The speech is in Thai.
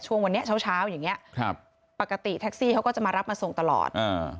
ช่วงวันนี้เช้าอย่างนี้ปกติแท็กซี่เขาก็จะมารับมาส่งตลอด